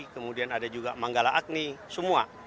kemudian ada juga manggala agni semua